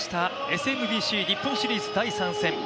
ＳＭＢＣ日本シリーズ第３戦。